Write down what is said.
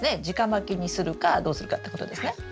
直まきにするかどうするかってことですね？